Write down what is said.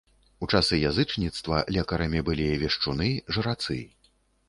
У часы язычніцтва лекарамі былі вешчуны, жрацы.